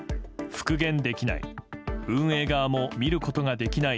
復元できない。